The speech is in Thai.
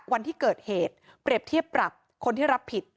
วันที่เกิดเหตุเปรียบเทียบปรับคนที่รับผิด